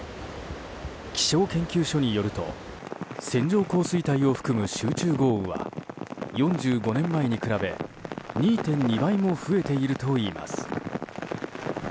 気象研究所によると線状降水帯を含む集中豪雨は４５年前に比べ２．２倍も増えているといいます。